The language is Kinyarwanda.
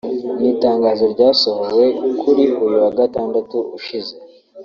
Mu itangazo ryasohowe kuri uyu wa gatandatu ushize